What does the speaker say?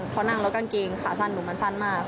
เพราะนั่งรถกางเกงขาสั้นหนูมันสั้นมาก